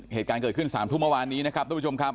เหตุการณ์เกิดขึ้น๓ทุ่มเมื่อวานนี้นะครับทุกผู้ชมครับ